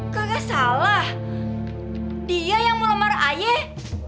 gak salah dia yang mau lemar ayah